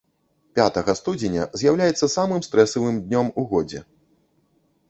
Пятага студзеня з'яўляецца самым стрэсавым днём у годзе.